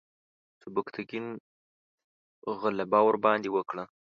سبکتګین غلبه ورباندې وکړه.